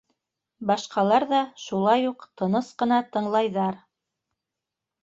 Башҡалар ҙа шулай уҡ тыныс ҡына тыңлайҙар.